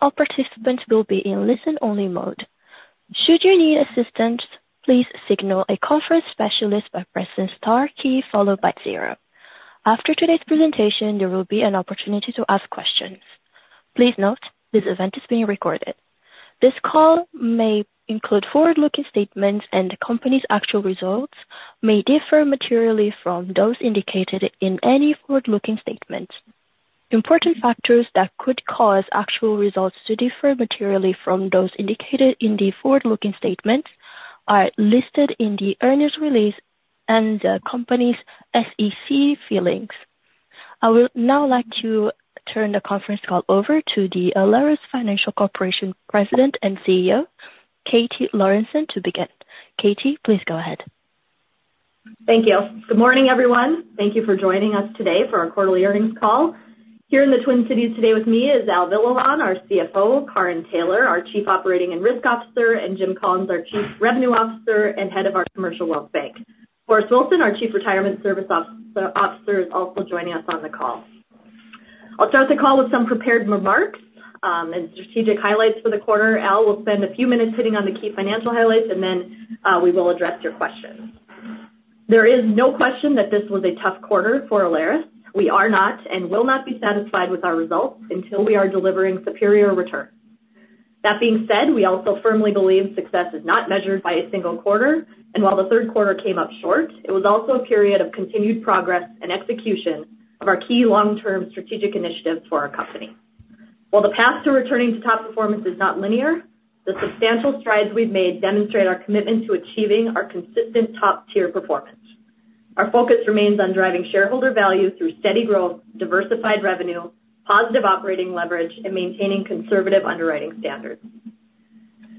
All participants will be in listen-only mode. Should you need assistance, please signal a conference specialist by pressing star key followed by zero. After today's presentation, there will be an opportunity to ask questions. Please note, this event is being recorded. This call may include forward-looking statements, and the company's actual results may differ materially from those indicated in any forward-looking statement. Important factors that could cause actual results to differ materially from those indicated in the forward-looking statements are listed in the earnings release and the company's SEC filings. I would now like to turn the conference call over to the Alerus Financial Corporation President and CEO, Katie Lorenson, to begin. Katie, please go ahead. Thank you. Good morning, everyone. Thank you for joining us today for our quarterly earnings call. Here in the Twin Cities today with me is Al Villalon, our CFO, Karin Taylor, our Chief Operating and Risk Officer, and Jim Collins, our Chief Revenue Officer and head of our Commercial Wealth Bank. Forrest Wilson, our Chief Retirement Services Officer, is also joining us on the call. I'll start the call with some prepared remarks and strategic highlights for the quarter. Al will spend a few minutes hitting on the key financial highlights, and then we will address your questions. There is no question that this was a tough quarter for Alerus. We are not and will not be satisfied with our results until we are delivering superior returns. That being said, we also firmly believe success is not measured by a single quarter, and while the third quarter came up short, it was also a period of continued progress and execution of our key long-term strategic initiatives for our company. While the path to returning to top performance is not linear, the substantial strides we've made demonstrate our commitment to achieving our consistent top-tier performance. Our focus remains on driving shareholder value through steady growth, diversified revenue, positive operating leverage, and maintaining conservative underwriting standards.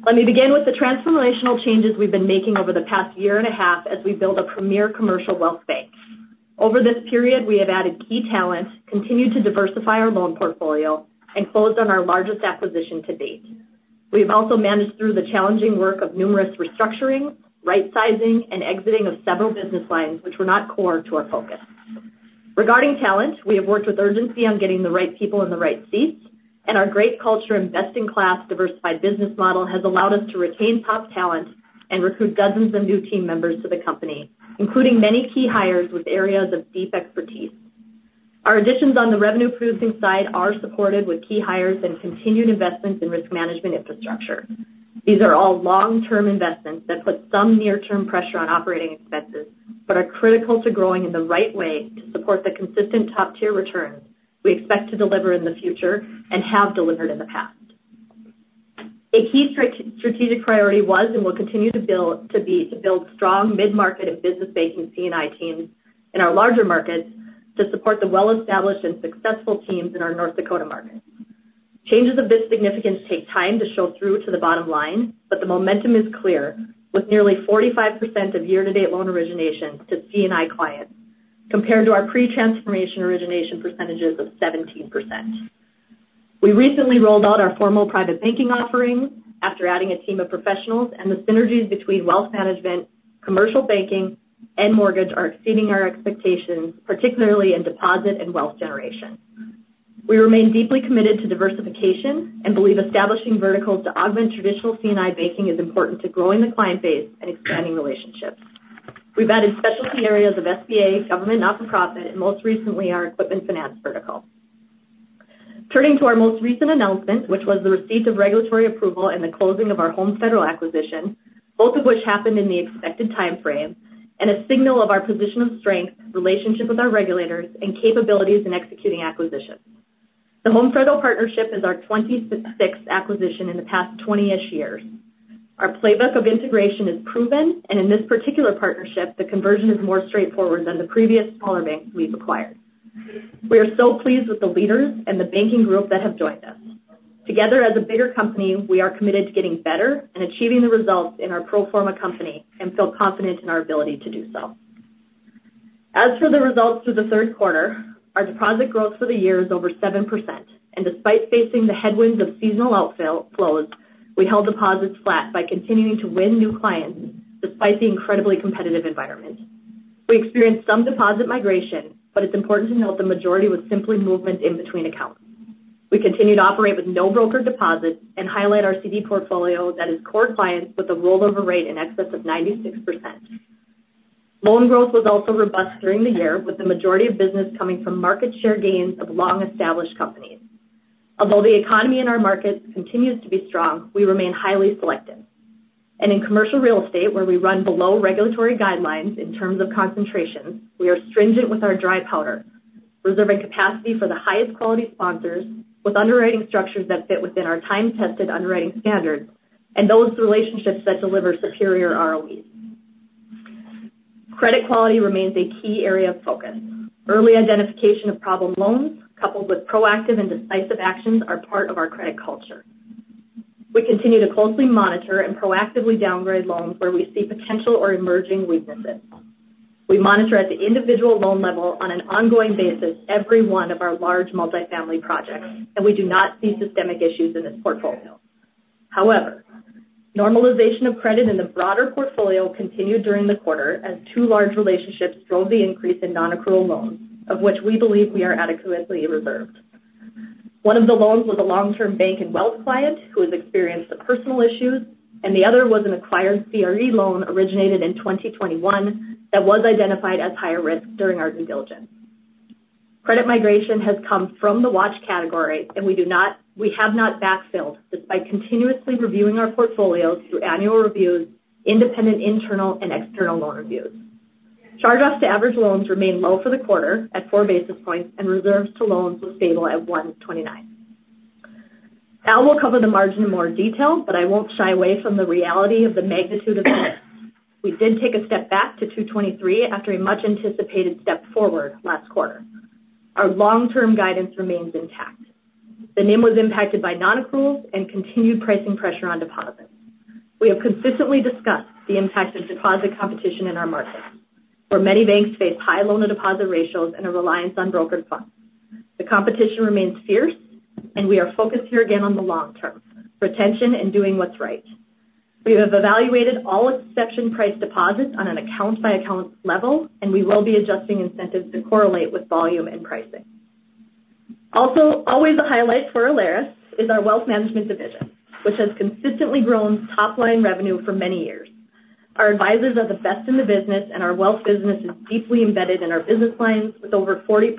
Let me begin with the transformational changes we've been making over the past year and a half as we build a premier commercial wealth bank. Over this period, we have added key talent, continued to diversify our loan portfolio, and closed on our largest acquisition to date. We have also managed through the challenging work of numerous restructurings, rightsizing, and exiting of several business lines, which were not core to our focus. Regarding talent, we have worked with urgency on getting the right people in the right seats, and our great culture and best-in-class diversified business model has allowed us to retain top talent and recruit dozens of new team members to the company, including many key hires with areas of deep expertise. Our additions on the revenue-producing side are supported with key hires and continued investments in risk management infrastructure. These are all long-term investments that put some near-term pressure on operating expenses but are critical to growing in the right way to support the consistent top-tier returns we expect to deliver in the future and have delivered in the past. A key strategic priority was and will continue to be to build strong mid-market and business banking C&I teams in our larger markets to support the well-established and successful teams in our North Dakota market. Changes of this significance take time to show through to the bottom line, but the momentum is clear, with nearly 45% of year-to-date loan origination to C&I clients compared to our pre-transformation origination percentages of 17%. We recently rolled out our formal private banking offering after adding a team of professionals, and the synergies between wealth management, commercial banking, and mortgage are exceeding our expectations, particularly in deposit and wealth generation. We remain deeply committed to diversification and believe establishing verticals to augment traditional C&I banking is important to growing the client base and expanding relationships. We've added specialty areas of SBA, government, not-for-profit, and most recently our equipment finance vertical. Turning to our most recent announcement, which was the receipt of regulatory approval and the closing of our Home Federal acquisition, both of which happened in the expected timeframe, and a signal of our position of strength, relationship with our regulators, and capabilities in executing acquisitions. The Home Federal partnership is our 26th acquisition in the past 20-ish years. Our playbook of integration is proven, and in this particular partnership, the conversion is more straightforward than the previous smaller banks we've acquired. We are so pleased with the leaders and the banking group that have joined us. Together, as a bigger company, we are committed to getting better and achieving the results in our pro forma company and feel confident in our ability to do so. As for the results through the third quarter, our deposit growth for the year is over 7%, and despite facing the headwinds of seasonal outflows, we held deposits flat by continuing to win new clients despite the incredibly competitive environment. We experienced some deposit migration, but it's important to note the majority was simply movement in between accounts. We continued to operate with no broker deposits and highlight our CD portfolio that is core clients with a rollover rate in excess of 96%. Loan growth was also robust during the year, with the majority of business coming from market share gains of long-established companies. Although the economy in our market continues to be strong, we remain highly selective. In commercial real estate, where we run below regulatory guidelines in terms of concentrations, we are stringent with our dry powder, reserving capacity for the highest quality sponsors with underwriting structures that fit within our time-tested underwriting standards and those relationships that deliver superior ROEs. Credit quality remains a key area of focus. Early identification of problem loans, coupled with proactive and decisive actions, are part of our credit culture. We continue to closely monitor and proactively downgrade loans where we see potential or emerging weaknesses. We monitor at the individual loan level on an ongoing basis every one of our large multifamily projects, and we do not see systemic issues in this portfolio. However, normalization of credit in the broader portfolio continued during the quarter as two large relationships drove the increase in non-accrual loans, of which we believe we are adequately reserved. One of the loans was a long-term bank and wealth client who has experienced some personal issues, and the other was an acquired CRE loan originated in 2021 that was identified as higher risk during our due diligence. Credit migration has come from the watch category, and we have not backfilled despite continuously reviewing our portfolios through annual reviews, independent internal and external loan reviews. Charge-offs to average loans remain low for the quarter at four basis points, and reserves to loans were stable at 129. Al will cover the margin in more detail, but I won't shy away from the reality of the magnitude of the loan. We did take a step back to 223 after a much-anticipated step forward last quarter. Our long-term guidance remains intact. The NIM was impacted by non-accruals and continued pricing pressure on deposits. We have consistently discussed the impact of deposit competition in our market, where many banks face high loan-to-deposit ratios and a reliance on brokered funds. The competition remains fierce, and we are focused here again on the long-term, retention, and doing what's right. We have evaluated all exception-priced deposits on an account-by-account level, and we will be adjusting incentives to correlate with volume and pricing. Also, always a highlight for Alerus is our wealth management division, which has consistently grown top-line revenue for many years. Our advisors are the best in the business, and our wealth business is deeply embedded in our business lines, with over 40%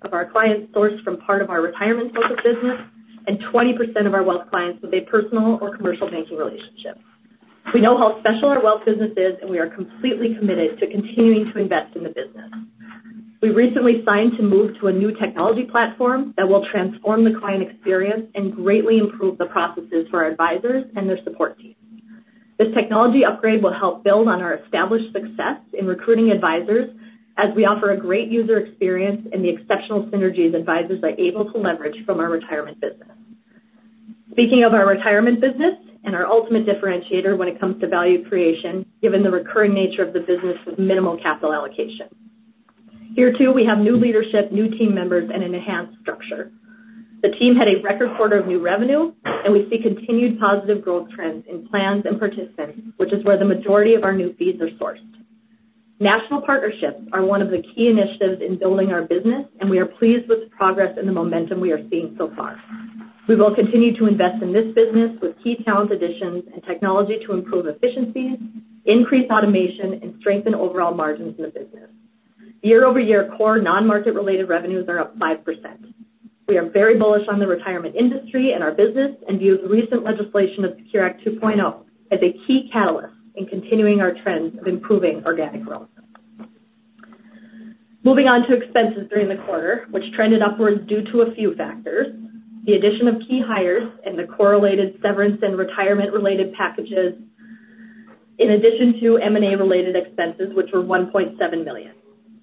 of our clients sourced from part of our retirement-focused business and 20% of our wealth clients with a personal or commercial banking relationship. We know how special our wealth business is, and we are completely committed to continuing to invest in the business. We recently signed to move to a new technology platform that will transform the client experience and greatly improve the processes for our advisors and their support team. This technology upgrade will help build on our established success in recruiting advisors as we offer a great user experience and the exceptional synergies advisors are able to leverage from our retirement business. Speaking of our retirement business and our ultimate differentiator when it comes to value creation, given the recurring nature of the business with minimal capital allocation. Here too, we have new leadership, new team members, and an enhanced structure. The team had a record quarter of new revenue, and we see continued positive growth trends in plans and participants, which is where the majority of our new fees are sourced. National partnerships are one of the key initiatives in building our business, and we are pleased with the progress and the momentum we are seeing so far. We will continue to invest in this business with key talent additions and technology to improve efficiencies, increase automation, and strengthen overall margins in the business. Year-over-year, core non-market-related revenues are up 5%. We are very bullish on the retirement industry and our business and view the recent legislation of SECURE 2.0 Act as a key catalyst in continuing our trends of improving organic growth. Moving on to expenses during the quarter, which trended upwards due to a few factors: the addition of key hires and the correlated severance and retirement-related packages, in addition to M&A-related expenses, which were $1.7 million.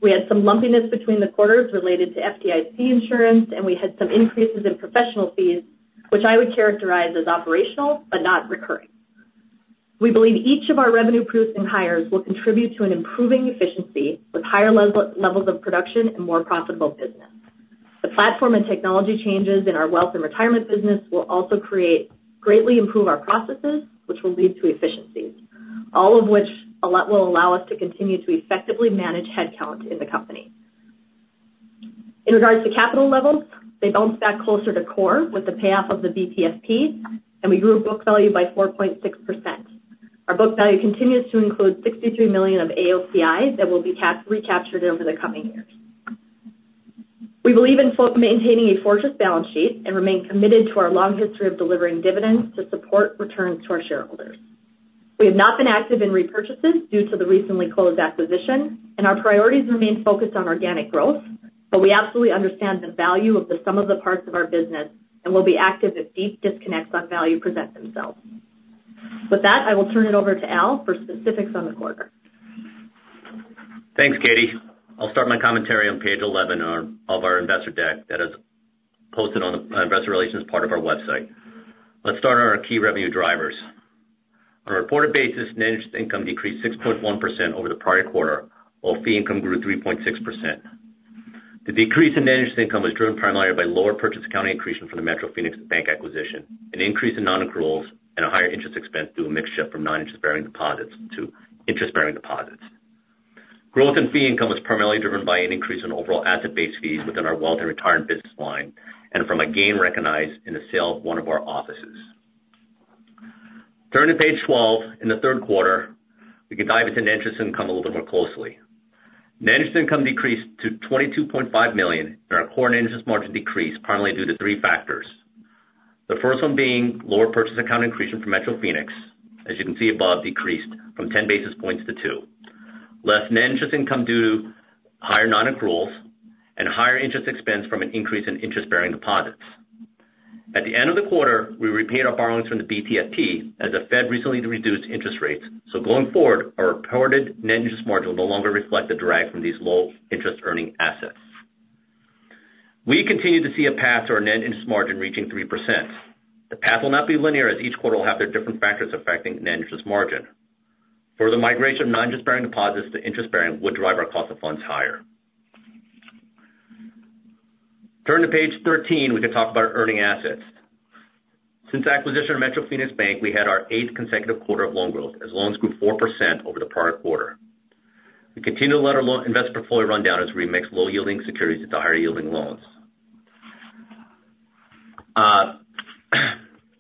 We had some lumpiness between the quarters related to FDIC insurance, and we had some increases in professional fees, which I would characterize as operational but not recurring. We believe each of our revenue-producing hires will contribute to an improving efficiency with higher levels of production and more profitable business. The platform and technology changes in our wealth and retirement business will also greatly improve our processes, which will lead to efficiencies, all of which will allow us to continue to effectively manage headcount in the company. In regards to capital levels, they bounced back closer to core with the payoff of the BTFP, and we grew book value by 4.6%. Our book value continues to include $63 million of AOCI that will be recaptured over the coming years. We believe in maintaining a fortress balance sheet and remain committed to our long history of delivering dividends to support returns to our shareholders. We have not been active in repurchases due to the recently closed acquisition, and our priorities remain focused on organic growth, but we absolutely understand the value of the sum of the parts of our business and will be active if deep disconnects on value present themselves. With that, I will turn it over to Al for specifics on the quarter. Thanks, Katie. I'll start my commentary on page 11 of our investor deck that is posted on the investor relations part of our website. Let's start on our key revenue drivers. On a reported basis, net interest income decreased 6.1% over the prior quarter, while fee income grew 3.6%. The decrease in net interest income was driven primarily by lower purchase account increases from the Metro Phoenix Bank acquisition, an increase in non-accruals, and a higher interest expense due to a mixture from non-interest-bearing deposits to interest-bearing deposits. Growth in fee income was primarily driven by an increase in overall asset-based fees within our wealth and retirement business line and from a gain recognized in the sale of one of our offices. Turning to page 12, in the third quarter, we can dive into net interest income a little bit more closely. Net interest income decreased to $22.5 million, and our core net interest margin decreased primarily due to three factors. The first one being lower purchase account increases from Metro Phoenix, as you can see above, decreased from 10 basis points to two, less net interest income due to higher non-accruals, and higher interest expense from an increase in interest-bearing deposits. At the end of the quarter, we repaid our borrowings from the BTFP as the Fed recently reduced interest rates, so going forward, our reported net interest margin will no longer reflect the drag from these low-interest earning assets. We continue to see a path to our net interest margin reaching 3%. The path will not be linear as each quarter will have their different factors affecting net interest margin. Further migration of non-interest-bearing deposits to interest-bearing would drive our cost of funds higher. Turning to page 13, we can talk about earning assets. Since acquisition of Metro Phoenix Bank, we had our eighth consecutive quarter of loan growth as loans grew 4% over the prior quarter. We continue to let our investment portfolio run down as we mix low-yielding securities with higher-yielding loans.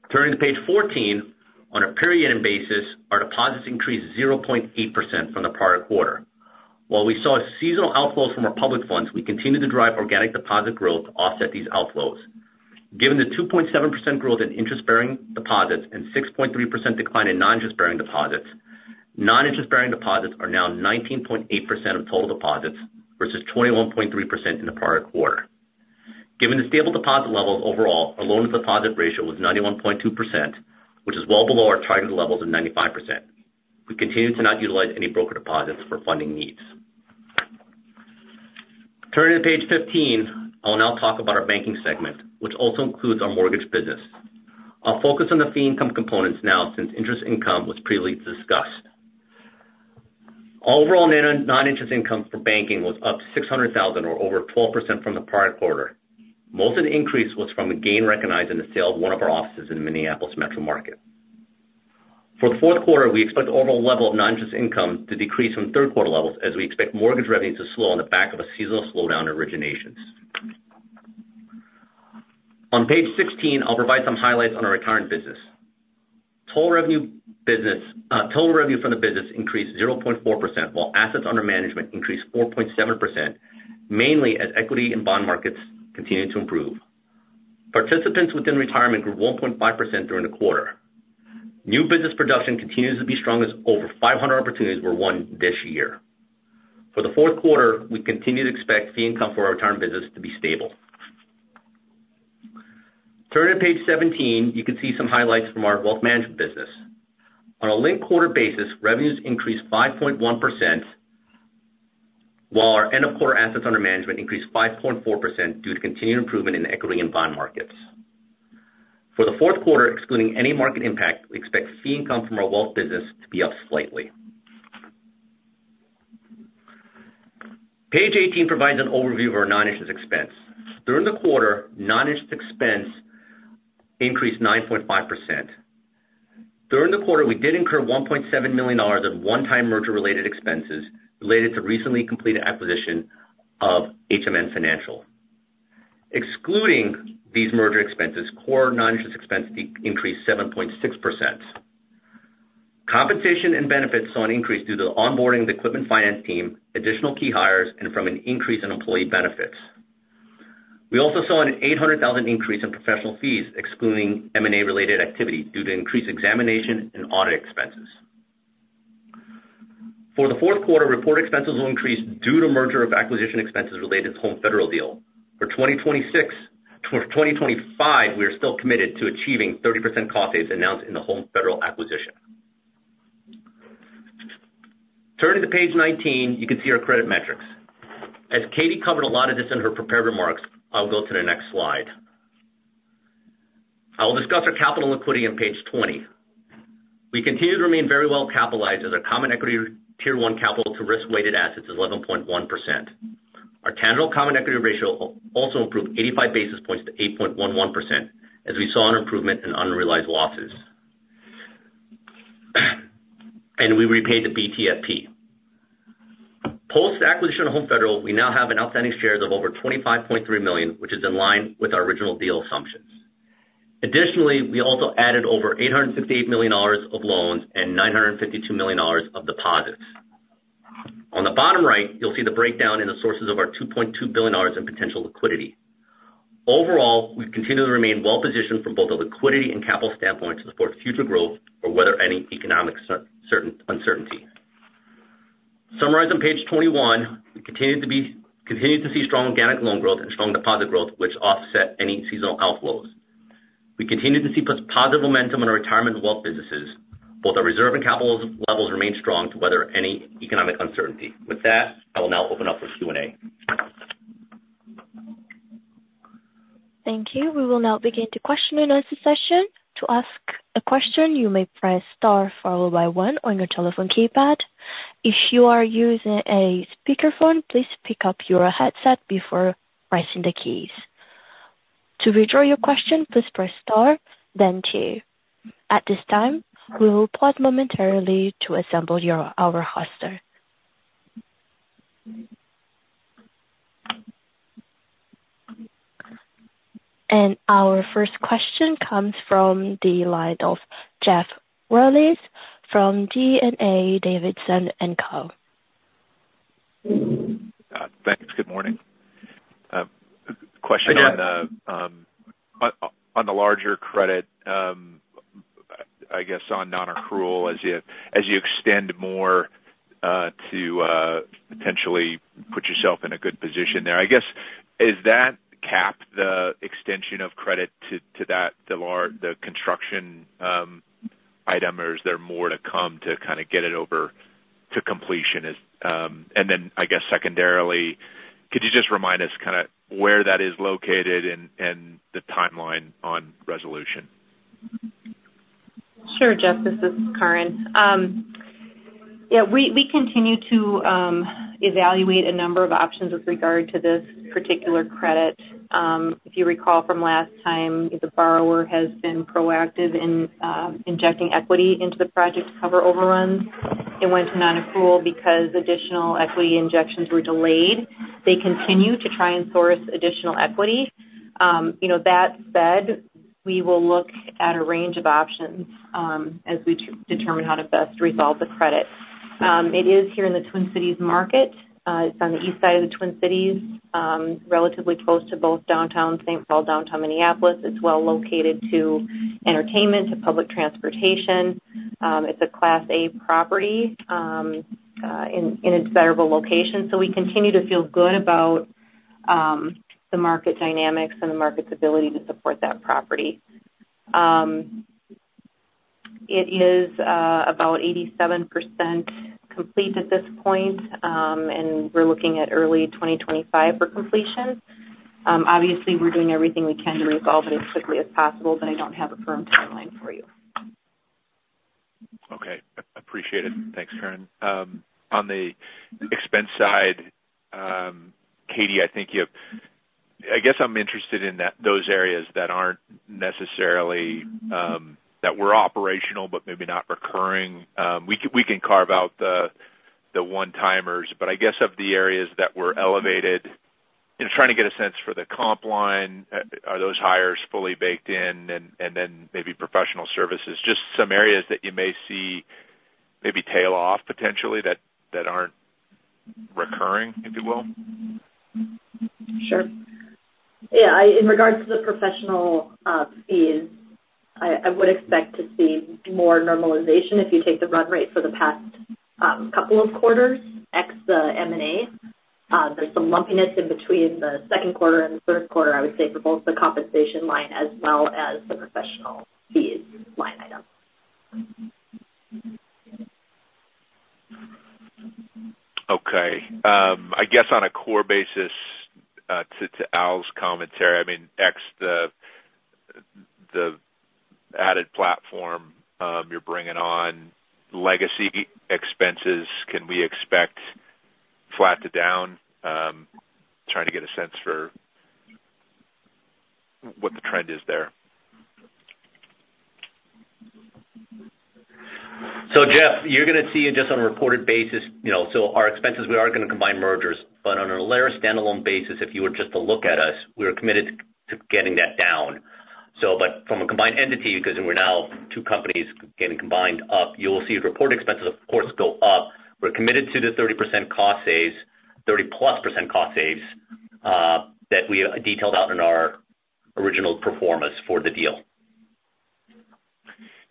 Turning to page 14, on a period basis, our deposits increased 0.8% from the prior quarter. While we saw seasonal outflows from our public funds, we continue to drive organic deposit growth to offset these outflows. Given the 2.7% growth in interest-bearing deposits and 6.3% decline in non-interest-bearing deposits, non-interest-bearing deposits are now 19.8% of total deposits versus 21.3% in the prior quarter. Given the stable deposit levels overall, our loan-to-deposit ratio was 91.2%, which is well below our targeted levels of 95%. We continue to not utilize any broker deposits for funding needs. Turning to page 15, I'll now talk about our banking segment, which also includes our mortgage business. I'll focus on the fee income components now since interest income was previously discussed. Overall, net non-interest income for banking was up $600,000, or over 12% from the prior quarter. Most of the increase was from a gain recognized in the sale of one of our offices in Minneapolis metro market. For the fourth quarter, we expect the overall level of non-interest income to decrease from third-quarter levels as we expect mortgage revenues to slow on the back of a seasonal slowdown in originations. On page 16, I'll provide some highlights on our retirement business. Total revenue from the business increased 0.4%, while assets under management increased 4.7%, mainly as equity and bond markets continue to improve. Participants within retirement grew 1.5% during the quarter. New business production continues to be strong as over 500 opportunities were won this year. For the fourth quarter, we continue to expect fee income for our retirement business to be stable. Turning to page 17, you can see some highlights from our wealth management business. On a linked quarter basis, revenues increased 5.1%, while our end-of-quarter assets under management increased 5.4% due to continued improvement in equity and bond markets. For the fourth quarter, excluding any market impact, we expect fee income from our wealth business to be up slightly. Page 18 provides an overview of our non-interest expense. During the quarter, non-interest expense increased 9.5%. During the quarter, we did incur $1.7 million in one-time merger-related expenses related to recently completed acquisition of HMN Financial. Excluding these merger expenses, core non-interest expense increased 7.6%. Compensation and benefits saw an increase due to the onboarding of the equipment finance team, additional key hires, and from an increase in employee benefits. We also saw an $800,000 increase in professional fees, excluding M&A-related activity, due to increased examination and audit expenses. For the fourth quarter, reported expenses will increase due to merger and acquisition expenses related to the Home Federal deal. For 2025, we are still committed to achieving 30% cost savings announced in the Home Federal acquisition. Turning to page 19, you can see our credit metrics. As Katie covered a lot of this in her prepared remarks, I'll go to the next slide. I will discuss our capital and liquidity on page 20. We continue to remain very well capitalized as our Common Equity Tier 1 capital to risk-weighted assets is 11.1%. Our Tangible Common Equity ratio also improved 85 basis points to 8.11%, as we saw an improvement in unrealized losses. We repaid the BTFP. Post-acquisition of Home Federal, we now have an outstanding share of over 25.3 million, which is in line with our original deal assumptions. Additionally, we also added over $868 million of loans and $952 million of deposits. On the bottom right, you'll see the breakdown in the sources of our $2.2 billion in potential liquidity. Overall, we continue to remain well-positioned from both a liquidity and capital standpoint to support future growth or weather any economic uncertainty. Summarizing page 21, we continue to see strong organic loan growth and strong deposit growth, which offset any seasonal outflows. We continue to see positive momentum in our retirement and wealth businesses. Both our reserve and capital levels remain strong to weather any economic uncertainty. With that, I will now open up for Q&A. Thank you. We will now begin the question-and-answer session. To ask a question, you may press star followed by one on your telephone keypad. If you are using a speakerphone, please pick up your headset before pressing the keys. To withdraw your question, please press star, then two. At this time, we will pause momentarily to assemble our host, and our first question comes from the line of Jeff Rulis from D.A. Davidson & Co. Thanks. Good morning. Question on the larger credit, I guess on non-accrual, as you extend more to potentially put yourself in a good position there. I guess, is that cap the extension of credit to the construction item, or is there more to come to kind of get it over to completion? And then, I guess, secondarily, could you just remind us kind of where that is located and the timeline on resolution? Sure, Jeff. This is Karin. Yeah, we continue to evaluate a number of options with regard to this particular credit. If you recall from last time, the borrower has been proactive in injecting equity into the project to cover overruns. It went to non-accrual because additional equity injections were delayed. They continue to try and source additional equity. That said, we will look at a range of options as we determine how to best resolve the credit. It is here in the Twin Cities market. It's on the east side of the Twin Cities, relatively close to both downtown St. Paul and downtown Minneapolis. It's well located to entertainment and to public transportation. It's a Class A property in a desirable location. We continue to feel good about the market dynamics and the market's ability to support that property. It is about 87% complete at this point, and we're looking at early 2025 for completion. Obviously, we're doing everything we can to resolve it as quickly as possible, but I don't have a firm timeline for you. Okay. I appreciate it. Thanks, Karin. On the expense side, Katie, I think you have - I guess I'm interested in those areas that aren't necessarily that were operational but maybe not recurring. We can carve out the one-timers, but I guess of the areas that were elevated, trying to get a sense for the comp line, are those hires fully baked in? And then maybe professional services, just some areas that you may see maybe tail off potentially that aren't recurring, if you will? Sure. Yeah. In regards to the professional fees, I would expect to see more normalization if you take the run rate for the past couple of quarters ex the M&A. There's some lumpiness in between the second quarter and the third quarter, I would say, for both the compensation line as well as the professional fees line item. Okay. I guess on a core basis to Al's commentary, I mean, ex the added platform you're bringing on, legacy expenses, can we expect flat to down? Trying to get a sense for what the trend is there. Jeff, you're going to see it just on a reported basis. Our expenses, we are going to combine mergers. But on a layered standalone basis, if you were just to look at us, we are committed to getting that down. But from a combined entity, because we're now two companies getting combined up, you will see reported expenses, of course, go up. We're committed to the 30% cost saves, 30-plus% cost saves that we detailed out in our original performance for the deal.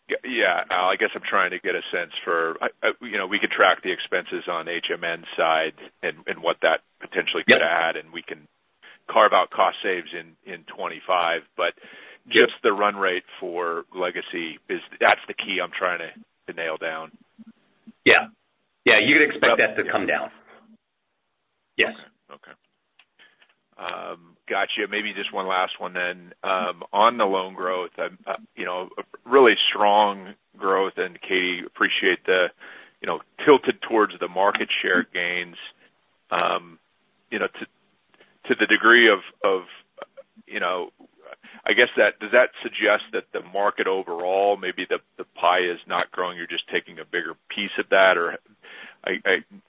Yeah. I guess I'm trying to get a sense for: we could track the expenses on HMN side and what that potentially could add, and we can carve out cost saves in 2025. But just the run rate for legacy, that's the key I'm trying to nail down. Yeah. Yeah. You can expect that to come down. Yes. Okay. Gotcha. Maybe just one last one then. On the loan growth, really strong growth. And Katie, appreciate the tilt towards the market share gains to the degree of, I guess, does that suggest that the market overall, maybe the pie is not growing, you're just taking a bigger piece of that? Or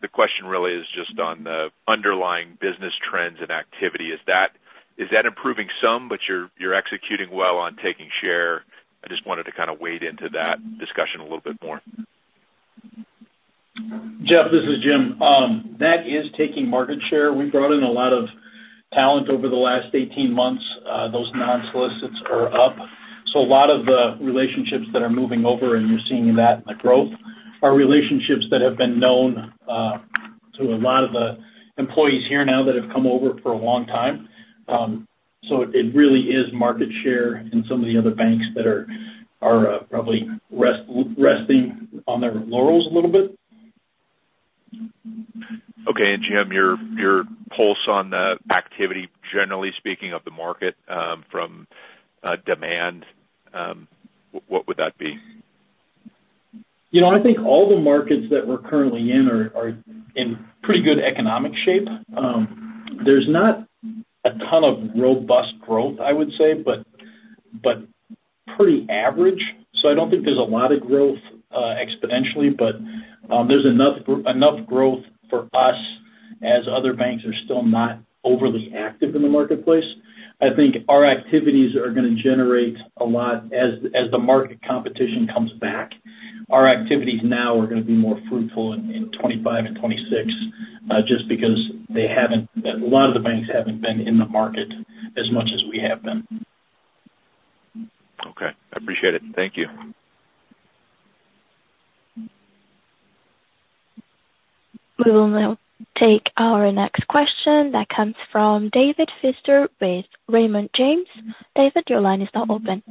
the question really is just on the underlying business trends and activity. Is that improving some, but you're executing well on taking share? I just wanted to kind of wade into that discussion a little bit more. Jeff, this is Jim. That is taking market share. We brought in a lot of talent over the last 18 months. Those non-solicits are up. So a lot of the relationships that are moving over, and you're seeing that in the growth, are relationships that have been known to a lot of the employees here now that have come over for a long time. So it really is market share in some of the other banks that are probably resting on their laurels a little bit. Okay, and Jim, your pulse on the activity, generally speaking, of the market from demand, what would that be? I think all the markets that we're currently in are in pretty good economic shape. There's not a ton of robust growth, I would say, but pretty average. So I don't think there's a lot of growth exponentially, but there's enough growth for us as other banks are still not overly active in the marketplace. I think our activities are going to generate a lot as the market competition comes back. Our activities now are going to be more fruitful in 2025 and 2026 just because a lot of the banks haven't been in the market as much as we have been. Okay. I appreciate it. Thank you. We will now take our next question that comes from David Feaster with Raymond James. David, your line is now open.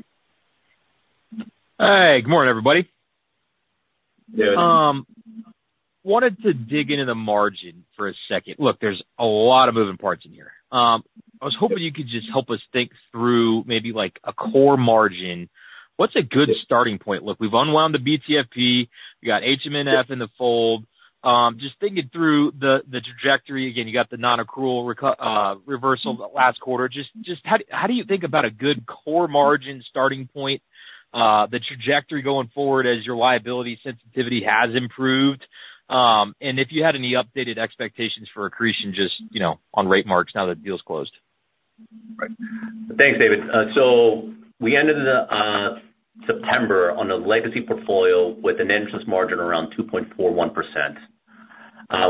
Hey. Good morning, everybody. Good. Wanted to dig into the margin for a second. Look, there's a lot of moving parts in here. I was hoping you could just help us think through maybe a core margin. What's a good starting point? Look, we've unwound the BTFP. We got HMN in the fold. Just thinking through the trajectory. Again, you got the non-accrual reversal last quarter. Just how do you think about a good core margin starting point, the trajectory going forward as your liability sensitivity has improved? And if you had any updated expectations for accretion just on rate marks now that the deal's closed. Right. Thanks, David. So we ended September on a legacy portfolio with an interest margin around 2.41%.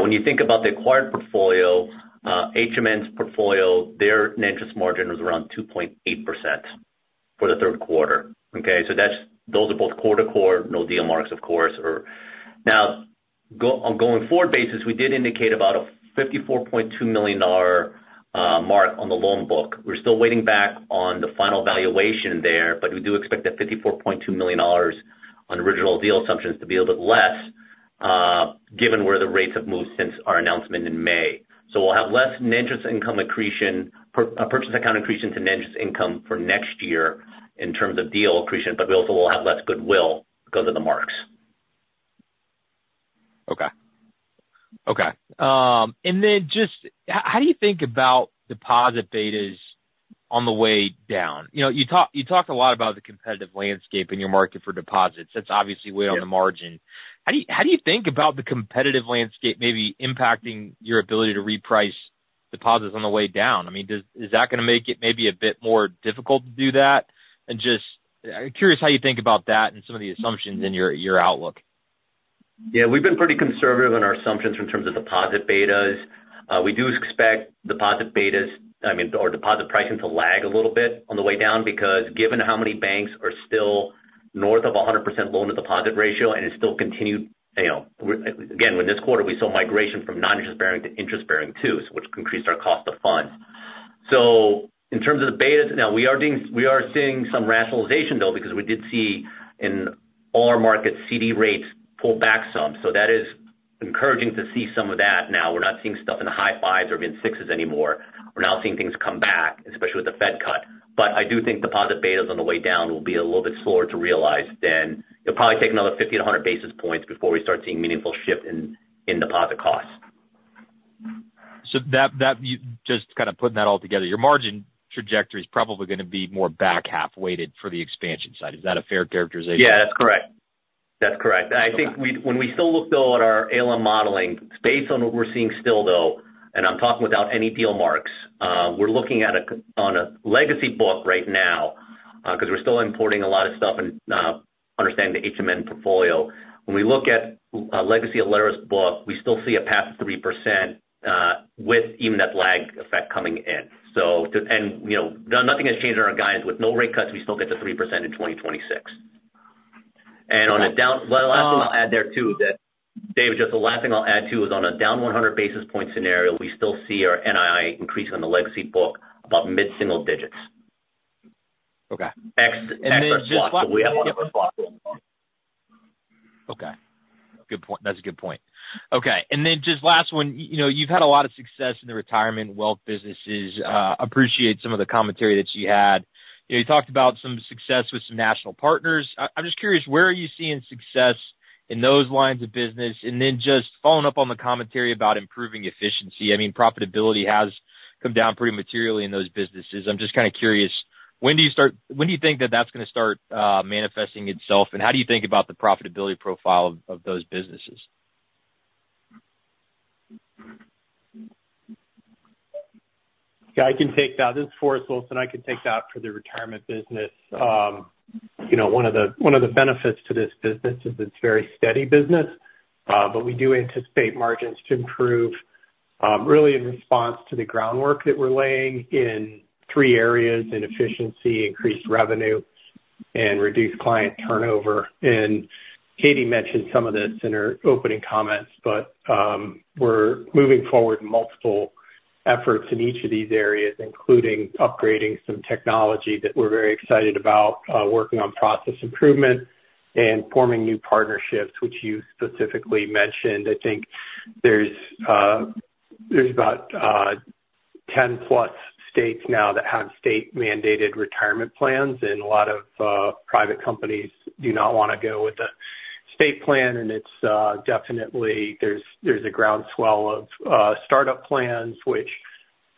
When you think about the acquired portfolio, HMN's portfolio, their interest margin was around 2.8% for the third quarter. Okay? So those are both core to core, no deal marks, of course. Now, on a going forward basis, we did indicate about a $54.2 million mark on the loan book. We're still waiting back on the final valuation there, but we do expect that $54.2 million on original deal assumptions to be a little bit less given where the rates have moved since our announcement in May. So we'll have less interest income accretion, purchase accounting accretion to interest income for next year in terms of deal accretion, but we also will have less goodwill because of the marks. Okay. Okay. And then just how do you think about deposit betas on the way down? You talked a lot about the competitive landscape in your market for deposits. That's obviously way on the margin. How do you think about the competitive landscape maybe impacting your ability to reprice deposits on the way down? I mean, is that going to make it maybe a bit more difficult to do that? And just curious how you think about that and some of the assumptions in your outlook. Yeah. We've been pretty conservative in our assumptions in terms of deposit betas. We do expect deposit betas, I mean, or deposit pricing to lag a little bit on the way down because given how many banks are still north of 100% loan-to-deposit ratio and it's still continued again, when this quarter, we saw migration from non-interest-bearing to interest-bearing too, which increased our cost of funds. So in terms of the betas, now, we are seeing some rationalization, though, because we did see in all our markets, CD rates pull back some. So that is encouraging to see some of that now. We're not seeing stuff in the high fives or even sixes anymore. We're now seeing things come back, especially with the Fed cut. But I do think deposit betas on the way down will be a little bit slower to realize than it'll probably take another 50-100 basis points before we start seeing meaningful shift in deposit costs. So just kind of putting that all together, your margin trajectory is probably going to be more back half weighted for the expansion side. Is that a fair characterization? Yeah. That's correct. That's correct. And I think when we still look, though, at our ALM modeling, based on what we're seeing still, though, and I'm talking without any deal marks, we're looking at a legacy book right now because we're still importing a lot of stuff and understanding the HMN portfolio. When we look at a legacy Alerus book, we still see a path of 3% with even that lag effect coming in. And nothing has changed in our guidance. With no rate cuts, we still get to 3% in 2026. And on a down. Okay. The last thing I'll add there too is that, David, on a down 100 basis points scenario, we still see our NII increasing on the legacy book about mid-single digits. Okay. Excess block. Okay. Good point. That's a good point. Okay. And then just last one. You've had a lot of success in the retirement wealth businesses. Appreciate some of the commentary that you had. You talked about some success with some national partners. I'm just curious, where are you seeing success in those lines of business? And then just following up on the commentary about improving efficiency, I mean, profitability has come down pretty materially in those businesses. I'm just kind of curious, when do you think that that's going to start manifesting itself? And how do you think about the profitability profile of those businesses? Yeah. I can take that. This is Forrest Wilson. I can take that for the retirement business. One of the benefits to this business is it's a very steady business, but we do anticipate margins to improve really in response to the groundwork that we're laying in three areas: in efficiency, increased revenue, and reduced client turnover. And Katie mentioned some of this in her opening comments, but we're moving forward in multiple efforts in each of these areas, including upgrading some technology that we're very excited about, working on process improvement, and forming new partnerships, which you specifically mentioned. I think there's about 10-plus states now that have state-mandated retirement plans, and a lot of private companies do not want to go with the state plan. There's a groundswell of startup plans, which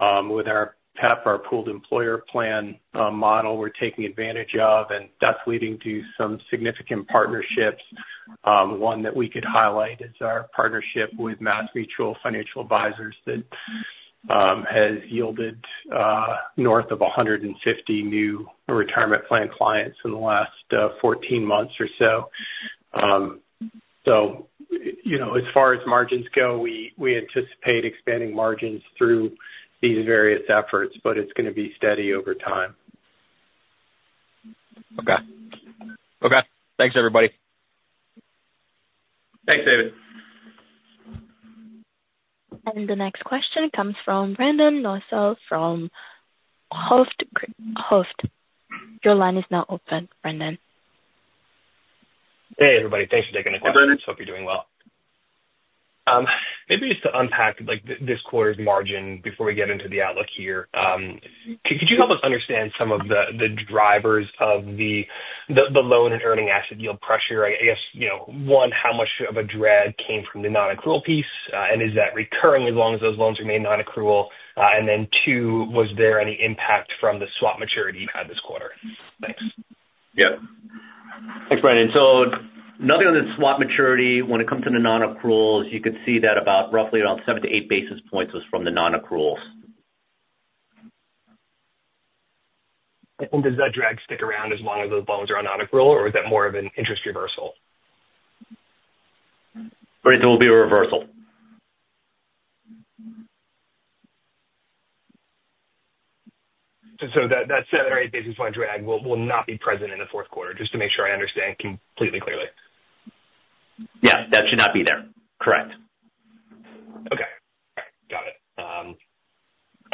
with our PEP, our pooled employer plan model, we're taking advantage of, and that's leading to some significant partnerships. One that we could highlight is our partnership with MassMutual Financial Advisors that has yielded north of 150 new retirement plan clients in the last 14 months or so. As far as margins go, we anticipate expanding margins through these various efforts, but it's going to be steady over time. Okay. Okay. Thanks, everybody. Thanks, David. The next question comes from Brendan Nosal from Hovde Group. Your line is now open, Brendan. Hey, everybody. Thanks for taking the call. Hope you're doing well. Maybe just to unpack this quarter's margin before we get into the outlook here, could you help us understand some of the drivers of the loan and earning asset yield pressure? I guess, one, how much of a drag came from the non-accrual piece, and is that recurring as long as those loans remain non-accrual? And then two, was there any impact from the swap maturity you had this quarter? Thanks. Yeah. Thanks, Brendan. So nothing on the swap maturity. When it comes to the non-accruals, you could see that about roughly around seven to eight basis points was from the non-accruals. Does that drag stick around as long as those loans are on non-accrual, or is that more of an interest reversal? Right. There will be a reversal. That seven or eight basis points drag will not be present in the fourth quarter, just to make sure I understand completely clearly. Yeah. That should not be there. Correct. Okay. Got it.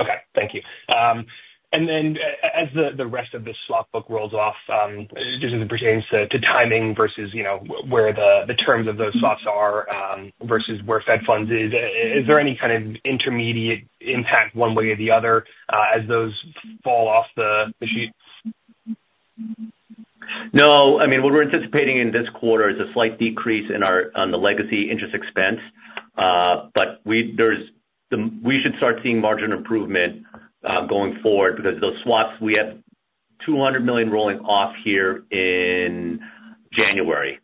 Okay. Thank you. And then, as the rest of the swap book rolls off, just as it pertains to timing versus where the terms of those swaps are versus where Fed funds is, is there any kind of intermediate impact one way or the other as those fall off the sheet? No. I mean, what we're anticipating in this quarter is a slight decrease in the legacy interest expense, but we should start seeing margin improvement going forward because those swaps, we have $200 million rolling off here in January.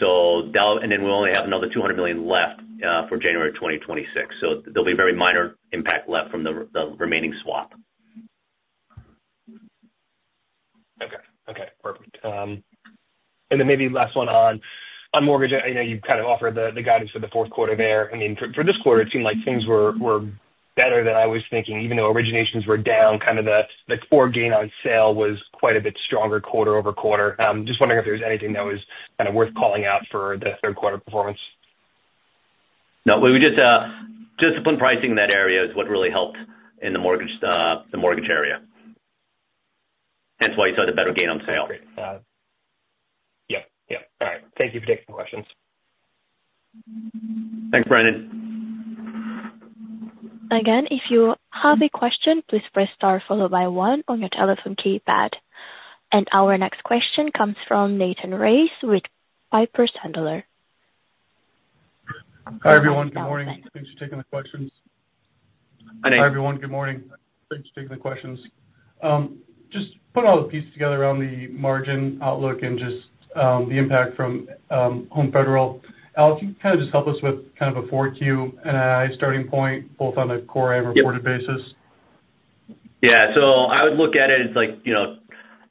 And then we only have another $200 million left for January 2026. So there'll be a very minor impact left from the remaining swap. Okay. Okay. Perfect. And then maybe last one on mortgage. I know you kind of offered the guidance for the fourth quarter there. I mean, for this quarter, it seemed like things were better than I was thinking, even though originations were down. Kind of the core gain on sale was quite a bit stronger quarter over quarter. Just wondering if there's anything that was kind of worth calling out for the third quarter performance. No. Discipline pricing in that area is what really helped in the mortgage area. Hence why you saw the better gain on sale. Yep. Yep. All right. Thank you for taking the questions. Thanks, Brandon. Again, if you have a question, please press star followed by one on your telephone keypad. And our next question comes from Nathan Race with Piper Sandler. Hi, everyone. Good morning. Thanks for taking the questions. Hi, Nate. Hi, everyone. Good morning. Thanks for taking the questions. Just putting all the pieces together on the margin outlook and just the impact from Home Federal. Al, if you can kind of just help us with kind of a forward Q and a starting point, both on a core and reported basis? Yeah. So I would look at it as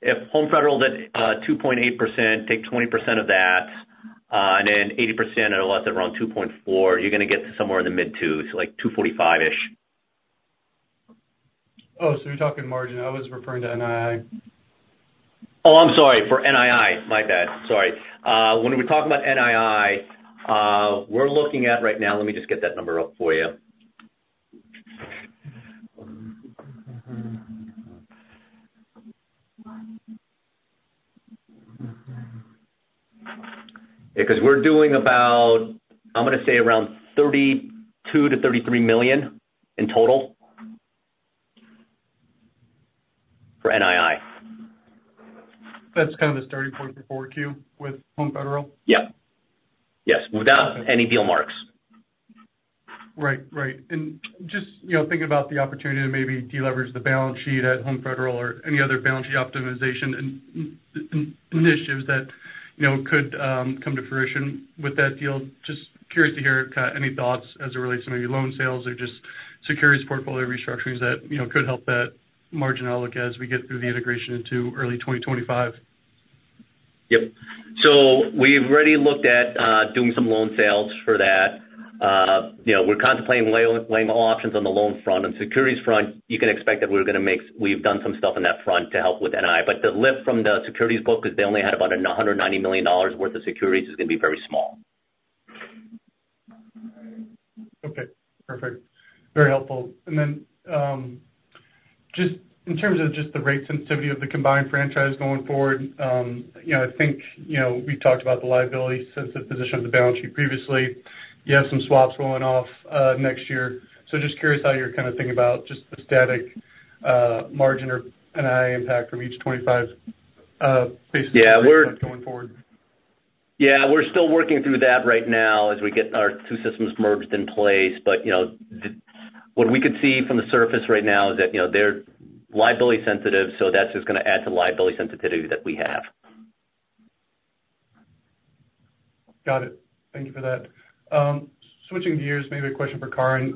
if Home Federal did 2.8%, take 20% of that, and then 80%, it'll let's say around 2.4%, you're going to get to somewhere in the mid-twos, like 2.45%-ish. Oh, so you're talking margin. I was referring to NII. Oh, I'm sorry. For NII. My bad. Sorry. When we're talking about NII, we're looking at right now, let me just get that number up for you. Because we're doing about, I'm going to say, around $32 million-$33 million in total for NII. That's kind of the starting point for forward Q with Home Federal? Yeah. Yes. Without any deal marks. Right. Right. And just thinking about the opportunity to maybe deleverage the balance sheet at Home Federal or any other balance sheet optimization initiatives that could come to fruition with that deal. Just curious to hear kind of any thoughts as it relates to maybe loan sales or just securities portfolio restructurings that could help that margin outlook as we get through the integration into early 2025. Yep, so we've already looked at doing some loan sales for that. We're contemplating leaving all options on the loan front. On the securities front, you can expect that we're going to. We've done some stuff on that front to help with NII, but the lift from the securities book because they only had about $190 million worth of securities is going to be very small. Okay. Perfect. Very helpful. And then just in terms of just the rate sensitivity of the combined franchise going forward, I think we've talked about the liability-sensitive position of the balance sheet previously. You have some swaps rolling off next year. So just curious how you're kind of thinking about just the static margin or NII impact from each 25 basis points going forward. Yeah. We're still working through that right now as we get our two systems merged in place. But what we could see from the surface right now is that they're liability sensitive, so that's just going to add to liability sensitivity that we have. Got it. Thank you for that. Switching gears, maybe a question for Karin.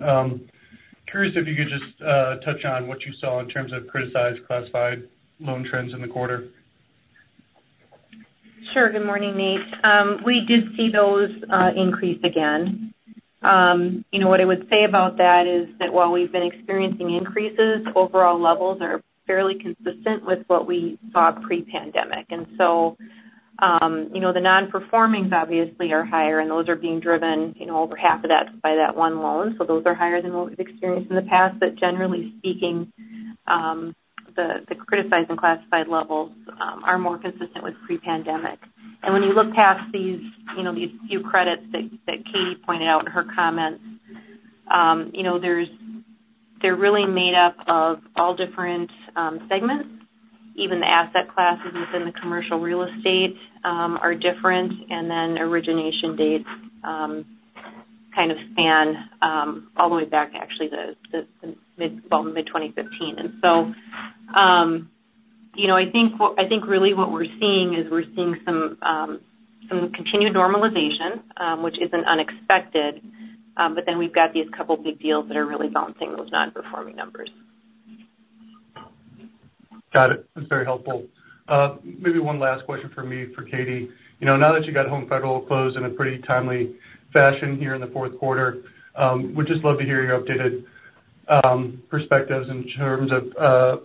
Curious if you could just touch on what you saw in terms of criticized classified loan trends in the quarter? Sure. Good morning, Nate. We did see those increase again. What I would say about that is that while we've been experiencing increases, overall levels are fairly consistent with what we saw pre-pandemic, and so the non-performings, obviously, are higher, and those are being driven over half of that by that one loan, so those are higher than what we've experienced in the past, but generally speaking, the criticized and classified levels are more consistent with pre-pandemic, and when you look past these few credits that Katie pointed out in her comments, they're really made up of all different segments. Even the asset classes within the commercial real estate are different, and then origination dates kind of span all the way back to actually mid-2015, and so I think really what we're seeing is we're seeing some continued normalization, which isn't unexpected. But then we've got these couple of big deals that are really bouncing those non-performing numbers. Got it. That's very helpful. Maybe one last question for me, for Katie. Now that you got Home Federal closed in a pretty timely fashion here in the fourth quarter, we'd just love to hear your updated perspectives in terms of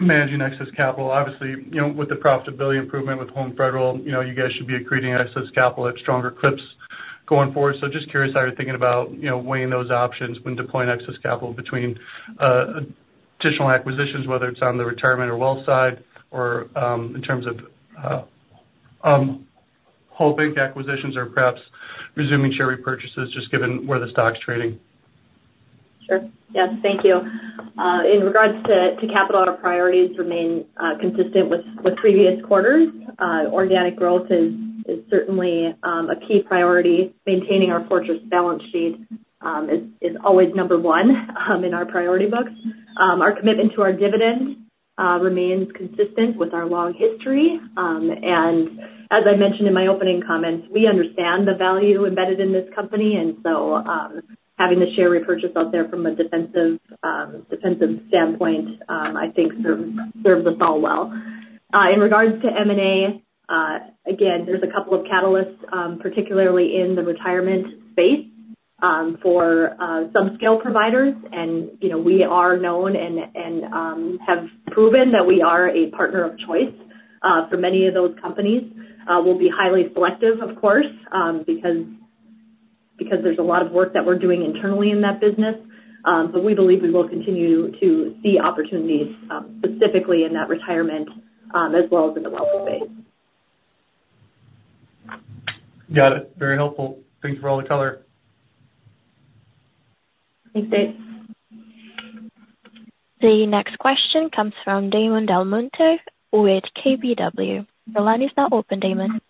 managing excess capital. Obviously, with the profitability improvement with Home Federal, you guys should be accreting excess capital at stronger clips going forward. So just curious how you're thinking about weighing those options when deploying excess capital between additional acquisitions, whether it's on the retirement or wealth side, or in terms of whole bank acquisitions or perhaps resuming share repurchases, just given where the stock's trading. Sure. Yes. Thank you. In regards to capital, our priorities remain consistent with previous quarters. Organic growth is certainly a key priority. Maintaining our fortress balance sheet is always number one in our priority books. Our commitment to our dividend remains consistent with our long history, and as I mentioned in my opening comments, we understand the value embedded in this company. And so having the share repurchase out there from a defensive standpoint, I think, serves us all well. In regards to M&A, again, there's a couple of catalysts, particularly in the retirement space, for some scale providers, and we are known and have proven that we are a partner of choice for many of those companies. We'll be highly selective, of course, because there's a lot of work that we're doing internally in that business. But we believe we will continue to see opportunities specifically in that retirement as well as in the wealth space. Got it. Very helpful. Thanks for all the color. Thanks, Nate. The next question comes from Damon DelMonte with KBW. The line is now open, Damon.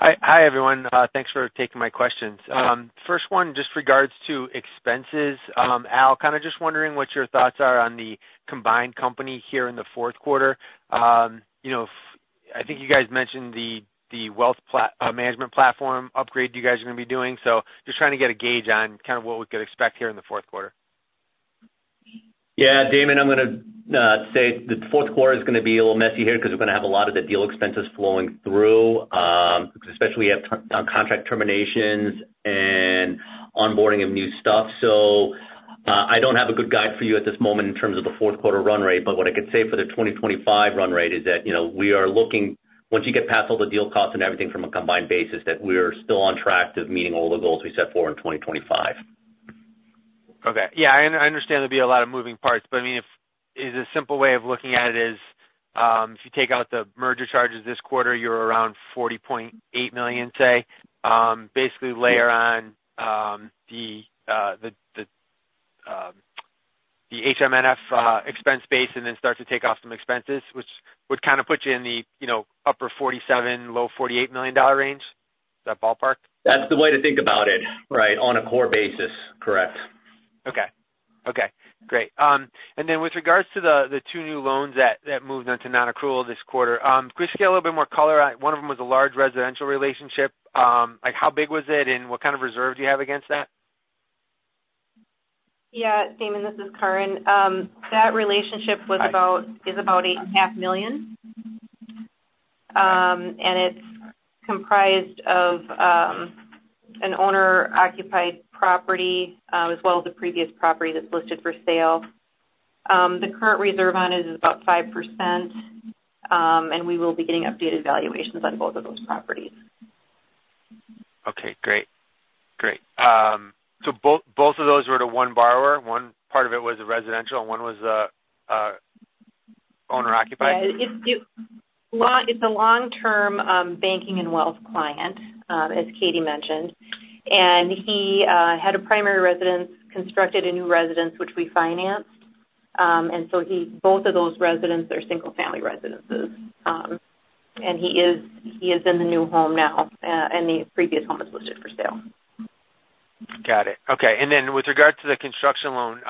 Hi, everyone. Thanks for taking my questions. First one, just regards to expenses. Al, kind of just wondering what your thoughts are on the combined company here in the fourth quarter. I think you guys mentioned the wealth management platform upgrade you guys are going to be doing. So just trying to get a gauge on kind of what we could expect here in the fourth quarter. Yeah. Damon, I'm going to say the fourth quarter is going to be a little messy here because we're going to have a lot of the deal expenses flowing through, especially we have contract terminations and onboarding of new stuff. So I don't have a good guide for you at this moment in terms of the fourth quarter run rate. But what I could say for the 2025 run rate is that we are looking, once you get past all the deal costs and everything from a combined basis, that we're still on track to meeting all the goals we set forth in 2025. Okay. Yeah. I understand there'll be a lot of moving parts. But I mean, is a simple way of looking at it is if you take out the merger charges this quarter, you're around $40.8 million, say, basically layer on the HMN expense base and then start to take off some expenses, which would kind of put you in the upper $47, low $48 million dollar range. Is that ballpark? That's the way to think about it, right, on a core basis. Correct. Okay. Great. And then with regards to the two new loans that moved into non-accrual this quarter, could you just get a little bit more color on one of them was a large residential relationship. How big was it, and what kind of reserve do you have against that? Yeah. Damon, this is Karin. That relationship is about $8.5 million. And it's comprised of an owner-occupied property as well as a previous property that's listed for sale. The current reserve on it is about 5%. And we will be getting updated valuations on both of those properties. Okay. Great. Great. So both of those were to one borrower? One part of it was a residential, and one was a owner-occupied? It's a long-term banking and wealth client, as Katie mentioned. He had a primary residence, constructed a new residence, which we financed. Both of those residences are single-family residences. He is in the new home now, and the previous home is listed for sale. Got it. Okay. And then with regards to the construction loan,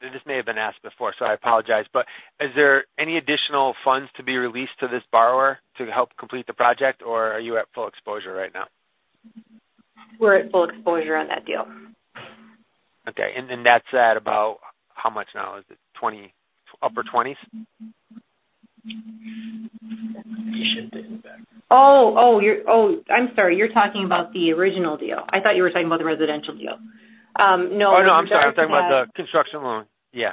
this may have been asked before, so I apologize. But is there any additional funds to be released to this borrower to help complete the project, or are you at full exposure right now? We're at full exposure on that deal. Okay, and that's at about how much now? Is it upper 20s? Oh, I'm sorry. You're talking about the original deal. I thought you were talking about the residential deal. No. Oh, no. I'm sorry. I'm talking about the construction loan. Yeah.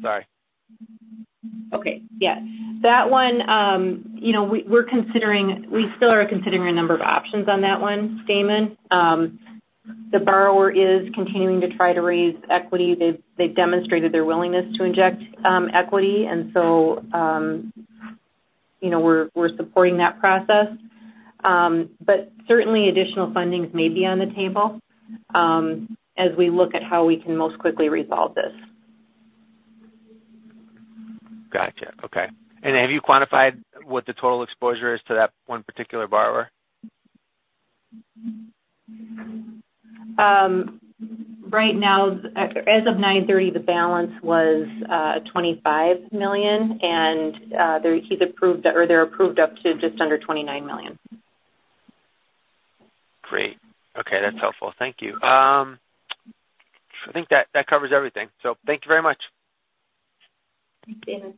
Sorry. Okay. Yeah. That one, we're still considering a number of options on that one, Damon. The borrower is continuing to try to raise equity. They've demonstrated their willingness to inject equity. And so we're supporting that process. But certainly, additional funding may be on the table as we look at how we can most quickly resolve this. Gotcha. Okay. And have you quantified what the total exposure is to that one particular borrower? Right now, as of 9/30, the balance was $25 million, and he's approved or they're approved up to just under $29 million. Great. Okay. That's helpful. Thank you. I think that covers everything. So thank you very much. Thanks, Damon.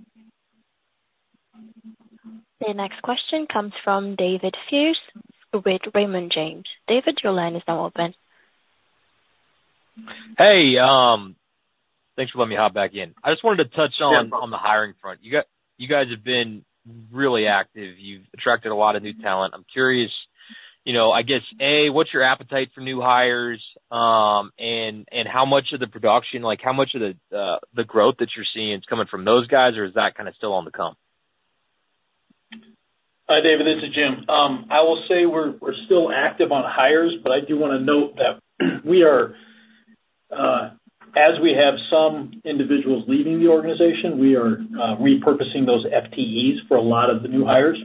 The next question comes from David Feaster with Raymond James. David, your line is now open. Hey. Thanks for letting me hop back in. I just wanted to touch on the hiring front. You guys have been really active. You've attracted a lot of new talent. I'm curious, I guess, A, what's your appetite for new hires? And how much of the growth that you're seeing is coming from those guys, or is that kind of still on the come? Hi, David. This is Jim. I will say we're still active on hires. But I do want to note that as we have some individuals leaving the organization, we are repurposing those FTEs for a lot of the new hires.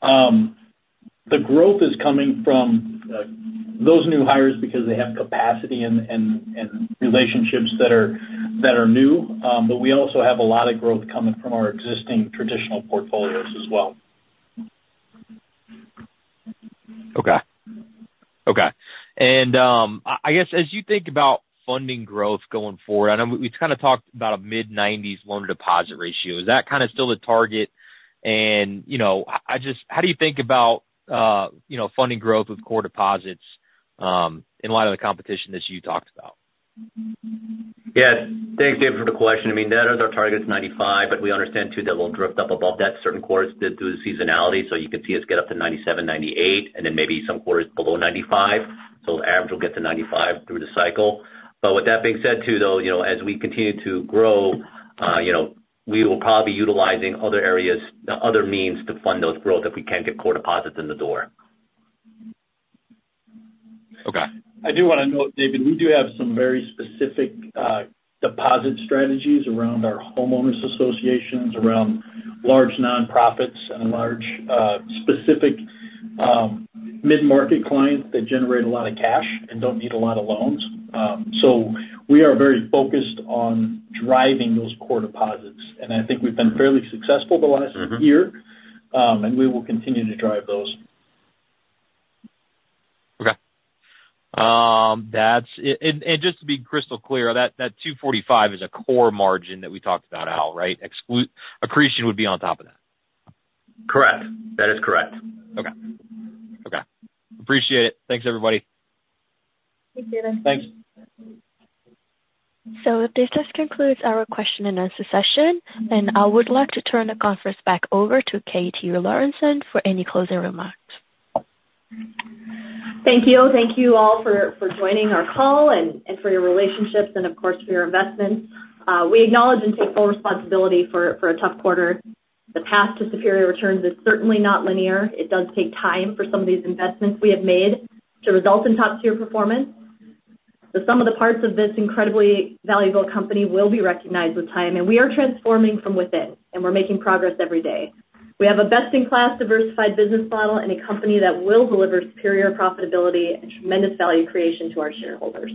The growth is coming from those new hires because they have capacity and relationships that are new. But we also have a lot of growth coming from our existing traditional portfolios as well. Okay. Okay. And I guess as you think about funding growth going forward, I know we've kind of talked about a mid-90s loan deposit ratio. Is that kind of still the target? And how do you think about funding growth with core deposits in light of the competition that you talked about? Yeah. Thanks, David, for the question. I mean, our target is 95. But we understand, too, that we'll drift up above that certain quarters due to seasonality. So you could see us get up to 97, 98, and then maybe some quarters below 95. So the average will get to 95 through the cycle. But with that being said, too, though, as we continue to grow, we will probably be utilizing other areas, other means to fund those growth if we can't get core deposits in the door. Okay. I do want to note, David, we do have some very specific deposit strategies around our homeowners associations, around large nonprofits, and large specific mid-market clients that generate a lot of cash and don't need a lot of loans. So we are very focused on driving those core deposits. And I think we've been fairly successful the last year. And we will continue to drive those. Okay, and just to be crystal clear, that 245 is a core margin that we talked about, Al, right? Accretion would be on top of that. Correct. That is correct. Okay. Appreciate it. Thanks, everybody. Thanks, David. Thanks. So this just concludes our question-and-answer session. And I would like to turn the conference back over to Katie Lorenson for any closing remarks. Thank you. Thank you all for joining our call and for your relationships and, of course, for your investments. We acknowledge and take full responsibility for a tough quarter. The path to superior returns is certainly not linear. It does take time for some of these investments we have made to result in top-tier performance. So some of the parts of this incredibly valuable company will be recognized with time. And we are transforming from within. And we're making progress every day. We have a best-in-class diversified business model and a company that will deliver superior profitability and tremendous value creation to our shareholders.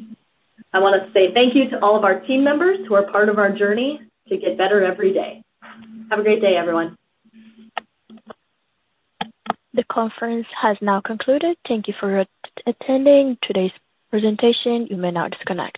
I want to say thank you to all of our team members who are part of our journey to get better every day. Have a great day, everyone. The conference has now concluded. Thank you for attending today's presentation. You may now disconnect.